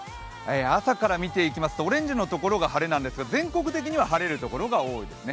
朝から見ていきますと、オレンジのところが晴れなんですが、全国的には晴れるところが多いですね。